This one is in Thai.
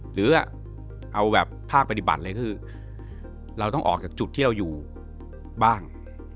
หรือเอาแบบภาคปฏิบัติเลยคือเราต้องออกจากจุดที่เราอยู่บ้าง